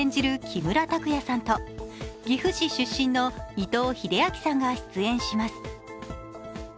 木村拓哉さんと岐阜市出身の伊藤英明さんが出演します。